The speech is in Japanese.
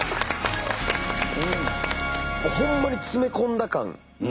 ほんまに詰め込んだ感。